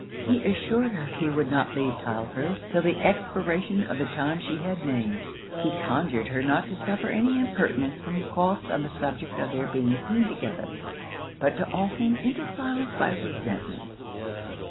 He assured her he would not leave Tylehurst 'till the expiration of the time she had named. He conjured her not to suffer any impertinence from Crofts on the subject of their being seen together, but to awe him into silence by resentment.